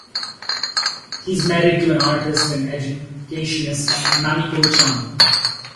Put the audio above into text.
He is married to an artist and educationist, Namiko Chan.